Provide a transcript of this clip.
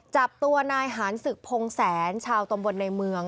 จับตัวนายหานศึกพงแสนชาวตำบลในเมือง